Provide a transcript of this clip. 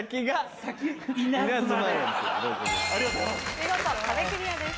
見事壁クリアです。